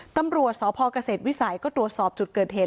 ตำรวจสพเกษตรวิสัยก็ตรวจสอบจุดเกิดเหตุ